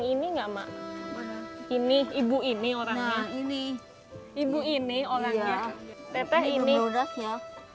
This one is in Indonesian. ini belum lunas ya